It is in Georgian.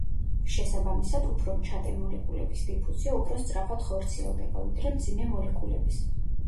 შესაბამისად, უფრო მჩატე მოლეკულების დიფუზია უფრო სწრაფად ხორციელდება, ვიდრე მძიმე მოლეკულების.